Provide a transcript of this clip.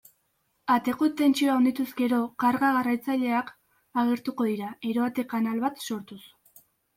Ateko tentsioa handituz gero, karga-garraiatzaileak agertuko dira, eroate-kanal bat sortuz.